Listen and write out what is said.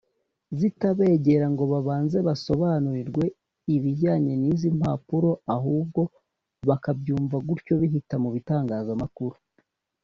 zitabegera ngo babanze basobanurirwe ibijyanye n’izi mpapuro ahubwo bakabyumva gutyo bihita mu bitangazamakuru